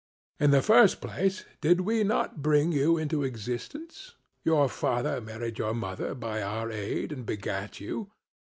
In the first place did we not bring you into existence? Your father married your mother by our aid and begat you.